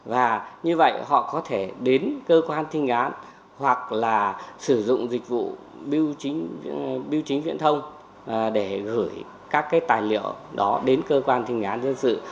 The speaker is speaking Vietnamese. và như vậy họ có thể đến cơ quan thi hành án hoặc là sử dụng dịch vụ biêu chính viễn thông để gửi các tài liệu đó đến cơ quan thi hành án dân sự